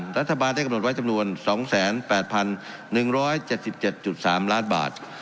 รัฐบาลได้กำหนดไว้จำนวน๒๘๑๗๗๓ล้านบาท